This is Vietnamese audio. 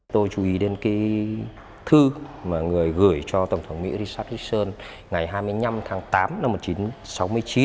tôi chú ý đến cái thư mà người gửi cho tổng thống mỹ richard wilson ngày hai mươi năm tháng tám năm một nghìn chín trăm sáu mươi chín